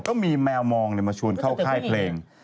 ก็มีแมวมองมาชวนเข้าค่ายเพลง